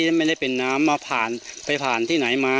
ไม่ได้เป็นน้ำมาผ่านไปผ่านที่ไหนมา